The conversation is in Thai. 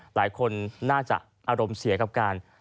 หลายคนน่าจะอารมณ์เสียกับการ